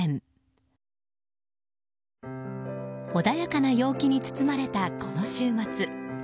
穏やかな陽気に包まれたこの週末。